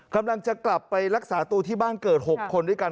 กำลังจะกลับไปรักษาตัวที่บ้านเกิด๖คนด้วยกัน